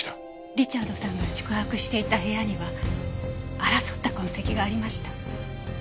リチャードさんが宿泊していた部屋には争った痕跡がありました。